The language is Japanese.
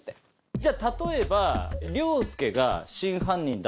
じゃあ例えば。